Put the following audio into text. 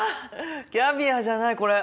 キャビアじゃないこれ。